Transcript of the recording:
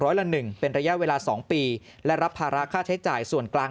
ละหนึ่งเป็นระยะเวลา๒ปีและรับภาระค่าใช้จ่ายส่วนกลาง